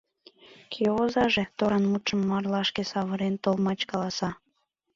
Кӧ озаже? — торан мутшым марлашке савырен, толмач каласа.